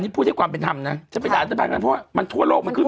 นี่พูดให้ความเป็นธรรมนะจะไปด่ารัฐบาลกันเพราะว่ามันทั่วโลกมันขึ้น